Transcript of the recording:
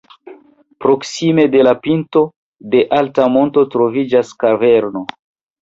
Proksime de la pinto de alta monto troviĝas kaverno.